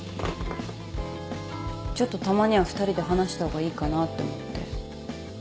ちょっとたまには２人で話した方がいいかなぁって思って。